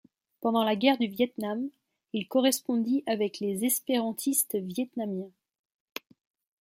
Pendant la guerre du Viêt Nam, il correspondit avec les espérantistes vietnamiens.